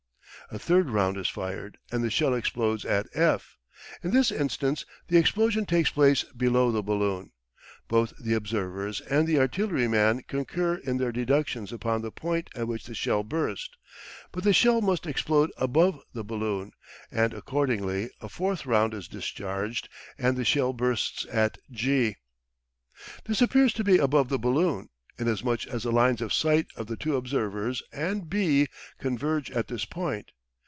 A third round is fired, and the shell explodes at F. In this instance the explosion takes place below the balloon. Both the observers and the artillery man concur in their deductions upon the point at which the shell burst. But the shell must explode above the balloon, and accordingly a fourth round is discharged and the shell bursts at G. This appears to be above the balloon, inasmuch as the lines of sight of the two observers and B converge at this point.